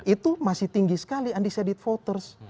itu masih tinggi sekali undecided voters